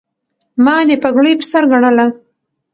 ما دې پګړۍ په سر ګنله